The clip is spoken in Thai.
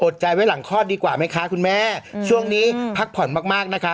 ใจไว้หลังคลอดดีกว่าไหมคะคุณแม่ช่วงนี้พักผ่อนมากมากนะคะ